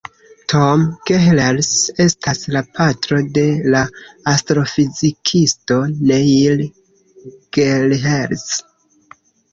Tom Gehrels estas la patro de la astrofizikisto Neil Gehrels.